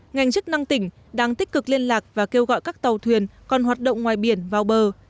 ngành chức năng tỉnh đang tích cực liên lạc và kêu gọi các tàu thuyền còn hoạt động ngoài biển vào bờ